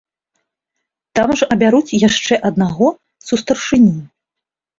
Там жа абяруць яшчэ аднаго сустаршыню.